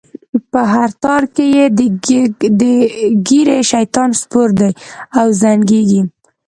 په هر تار کی یې د ږیری؛ شیطان سپور دی او زنګیږی